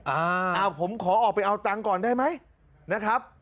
อ่าผมขอออกไปเอาตังค์ก่อนได้ไหมนะครับ